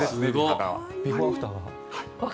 ビフォーアフターが。